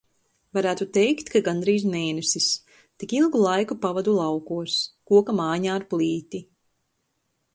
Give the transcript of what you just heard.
Varētu teikt, ka gandrīz mēnesis. Tik ilgu laiku pavadu laukos, koka mājiņā ar plīti.